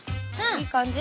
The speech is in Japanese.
いい感じ？